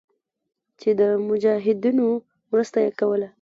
چې د مجاهدينو مرسته ئې کوله.